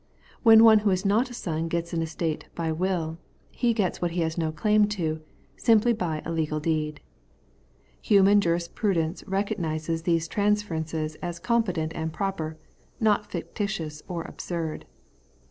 When one who is not a son gets an estate by tvillf he gets what he has no claim to, simply by a legal deed. Human jurisprudence recognises these transferences as competent and proper, not fictitious or absurd.